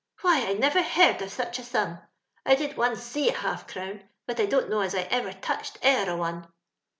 Why, I never heard of sich a sum. I did once see a half crown ; but I don't know as I ever touched e'er a one."